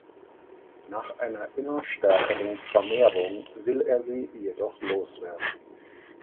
Nach einer immer stärkeren Vermehrung will er sie jedoch los werden.